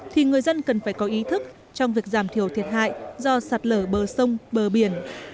thì người dân cần phải có ý thức trong việc giảm thiểu thiệt hại do sạt lở bờ sông bờ biển